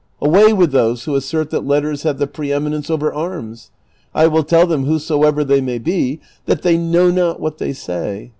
Away with those who assert that letters have the pre eminence over arms ; I will tell them, whosoever they may be, that they know not what they say.